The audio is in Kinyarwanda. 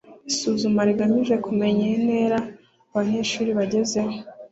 – Isuzuma rigamije kumenya intera abanyeshuri bagezeho